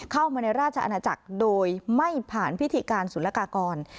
เข้ามาในราชอาณาจักรโดยไม่ผ่านพิธีการศุลกากร